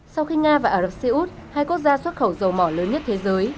sau khi nga và ả rập xê út hai quốc gia xuất khẩu dầu mỏ lớn nhất thế giới